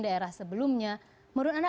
daerah sebelumnya menurut anda